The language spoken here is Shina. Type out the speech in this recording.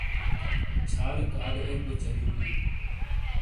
چھالیک آدے ایک بوچاریوں ہوں۔